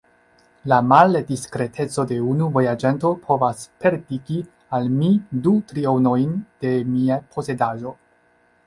La maldiskreteco de unu vojaĝanto povas perdigi al mi du trionojn de mia posedaĵo.